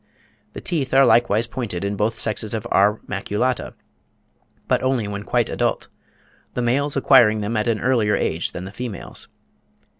The teeth are likewise pointed in both sexes of R. maculata, but only when quite adult; the males acquiring them at an earlier age than the females.